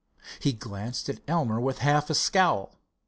He glanced at Elmer with half a scowl.